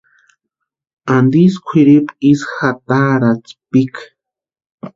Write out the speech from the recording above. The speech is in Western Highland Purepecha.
¿Antisï kwʼiripu ísï jatarhaatspikʼi?